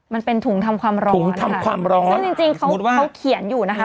มันเป็นถุงทำความร้อนถุงทำความร้อนซึ่งจริงจริงเขาเขาเขียนอยู่นะคะ